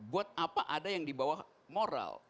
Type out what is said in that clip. buat apa ada yang di bawah moral